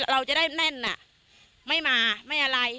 เราจะได้แน่นไม่มาไม่อะไร